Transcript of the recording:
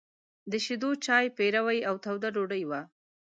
د شيدو چای، پيروی او توده ډوډۍ وه.